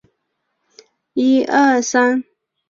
在亚洲的稻米种植业中是危害极大的一种杂草。